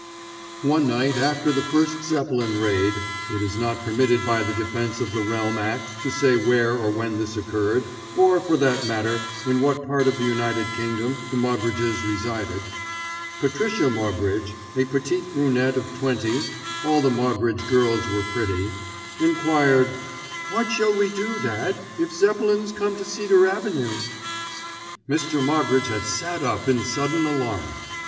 One night after the first Zeppelin raid (it is not permitted by the Defence of the Realm Act to say where or when this occurred, or, for that matter, in what part of the United Kingdom the Moggridges resided), Patricia Moggridge, a petite brunette of twenty, all the Moggridge girls were pretty, enquired, "What shall we do, dad, if Zeppelins come to Cedar Avenue?" Mr. Moggridge had sat up in sudden alarm.